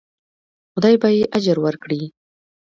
خدای به یې اجر ورکړي.